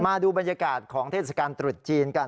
มาดูบรรยากาศของเทศกาลตรุษจีนกัน